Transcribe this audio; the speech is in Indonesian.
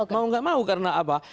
mau nggak mau karena apa